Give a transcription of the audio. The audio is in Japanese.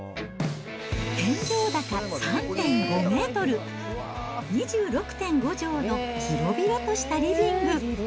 天井高３．５メートル、２６．５畳の広々としたリビング。